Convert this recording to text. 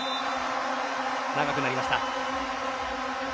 長くなりました。